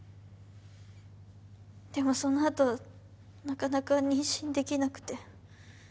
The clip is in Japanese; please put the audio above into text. でもその後なかなか妊娠できなくて。